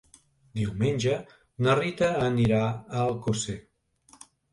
Diumenge na Rita anirà a Alcosser.